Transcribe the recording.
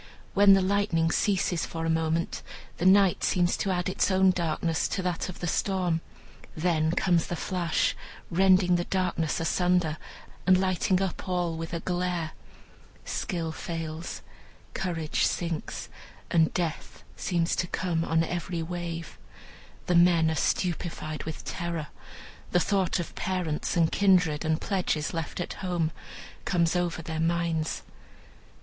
When the lightning ceases for a moment, the night seems to add its own darkness to that of the storm; then comes the flash, rending the darkness asunder, and lighting up all with a glare. Skill fails, courage sinks, and death seems to come on every wave. The men are stupefied with terror. The thought of parents, and kindred, and pledges left at home, comes over their minds.